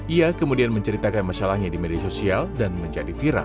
ia kemudian menceritakan masalahnya di media sosial dan menjadi viral